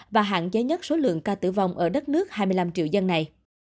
và hạn chế nhất số lượng ca tử vong ở đất nước hai mươi năm triệu dân này